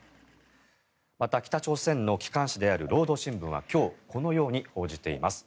また、北朝鮮の機関紙である労働新聞は今日、このように報じています。